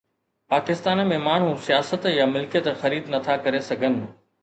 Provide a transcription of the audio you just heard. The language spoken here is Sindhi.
پاڪستان ۾ ماڻهو سياست يا ملڪيت خريد نٿا ڪري سگهن